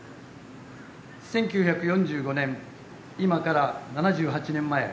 １９４５年、今から７８年前